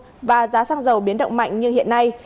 trong thời gian qua giá xăng dầu biến động mạnh như hiện nay